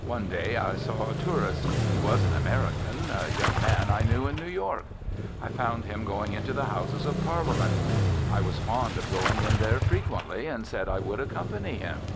One day I saw a tourist. He was an American, a young man I knew in New York. I found him going into the Houses of Parliament. I was fond of going in there frequently, and said I would accompany him.